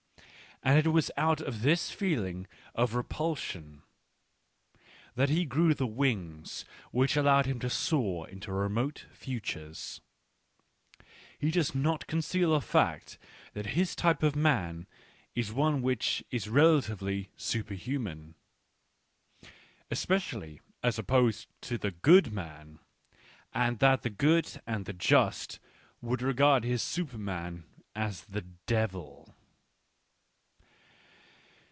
And it was out of this feeling of repulsion that he grew the wings which allowed him to soar into remote futures. He does not conceal the fact that his type of man is one which is relatively superhuman — especially as opposed to the " good " man, and that the good and the just would regard his superman as the devil.